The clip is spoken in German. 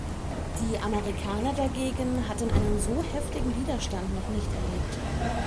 Die Amerikaner dagegen hatten einen so heftigen Widerstand noch nicht erlebt.